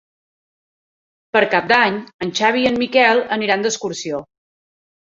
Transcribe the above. Per Cap d'Any en Xavi i en Miquel aniran d'excursió.